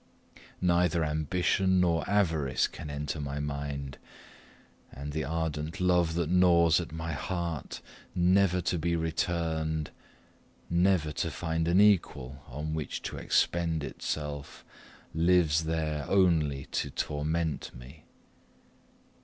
Neither ambition nor avarice can enter my mind, and the ardent love that gnaws at my heart, never to be returned never to find an equal on which to expend itself lives there only to torment me.